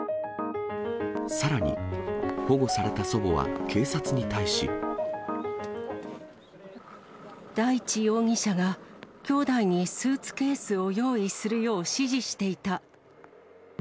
さらに、保護された祖母は警察に大地容疑者がきょうだいにスーツケースを用意するよう指示していた。